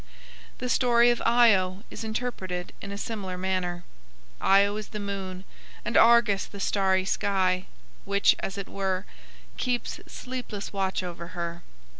The story of Io is interpreted in a similar manner. Io is the moon, and Argus the starry sky, which, as it were, keeps sleepless watch over her.